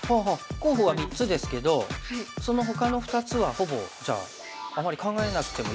候補は３つですけどそのほかの２つはほぼじゃああまり考えなくてもいいというか。